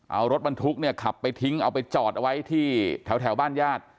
เอารถบรรทุกเนี่ยขับไปทิ้งเอาไปจอดเอาไว้ที่แถวบ้านญาติ